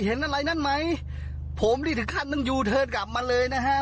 เห็นอะไรนั่นไหมผมนี่ถึงขั้นต้องยูเทิร์นกลับมาเลยนะฮะ